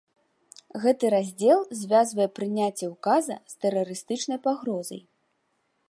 Гэты раздзел звязвае прыняцце ўказа з тэрарыстычнай пагрозай.